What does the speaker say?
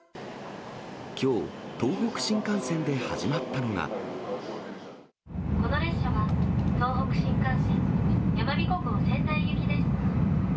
きょう、この列車は、東北新幹線やまびこ号仙台行きです。